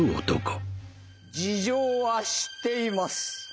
「事情は知っています」。